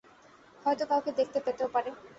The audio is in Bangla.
হয়তো কাউকে দেখতে পেতেও পারে।